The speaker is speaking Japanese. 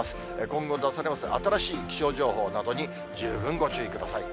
今後、出されます新しい気象情報などに十分ご注意ください。